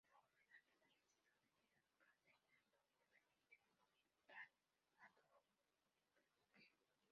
Ford finalmente recibió dinero de Kahne, lo que le permitió pilotar a Dodge.